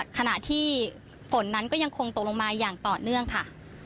ขณะที่ฝนนั้นก็ยังคงตกลงมาอย่างต่อเนื่องค่ะ